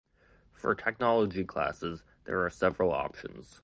For technology classes there are several options.